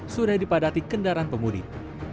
sudah dipadati kendaraan pemudik